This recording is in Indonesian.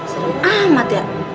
seru amat ya